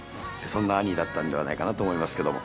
そんな『アニー』だったんではないかなと思いますけども。